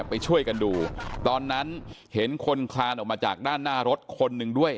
ช่วงช่วงคือเรียกว่าแล้วเวลารถเขามามันจะเหมือนเบรกค่ะเบรก